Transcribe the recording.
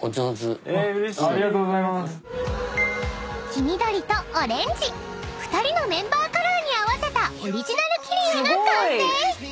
［黄緑とオレンジ］［２人のメンバーカラーに合わせたオリジナル切り絵が完成！］